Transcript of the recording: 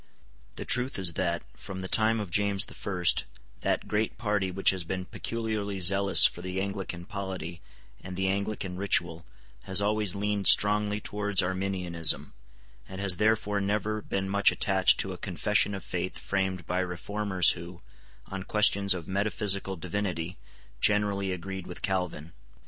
The truth is that, from the time of James the First, that great party which has been peculiarly zealous for the Anglican polity and the Anglican ritual has always leaned strongly towards Arminianism, and has therefore never been much attached to a confession of faith framed by reformers who, on questions of metaphysical divinity, generally agreed with Calvin.